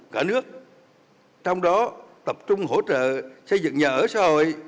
cả nước trong đó tập trung hỗ trợ xây dựng nhà ở xã hội